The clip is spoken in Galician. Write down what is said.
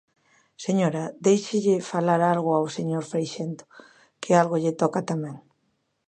Señora, déixelle falar algo ao señor Freixendo, que algo lle toca tamén.